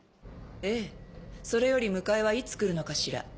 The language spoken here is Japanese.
ええそれより迎えはいつ来るのかしら？